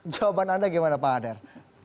jawaban anda gimana pak hadar